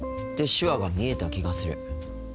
手話が見えた気がする。